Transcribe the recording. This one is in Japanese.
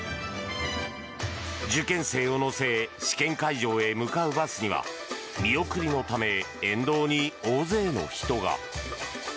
受験生を乗せ試験会場へ向かうバスには見送りのため沿道に大勢の人が。